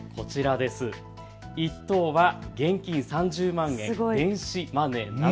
１等は現金３０万円、電子マネーなど。